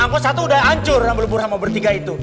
angkot satu udah hancur rambut rambut burhamo bertiga itu